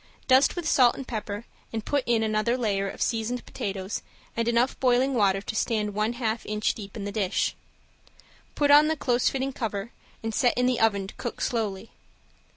Dust with salt and pepper and put in another layer of seasoned potatoes and enough boiling water to stand one half inch deep in the dish. Put on the close fitting cover and set in the oven to cook slowly.